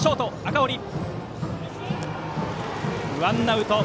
ワンアウト。